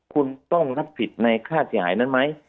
คุณต้องรับผิดในค่าเสียหายนั้นไหม